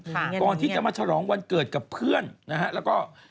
ก่อนที่จะมาฉลองวันเกิดกับเพื่อนนะฮะแล้วก็